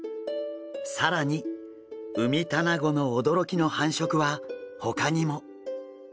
更にウミタナゴの驚きの繁殖はほかにも。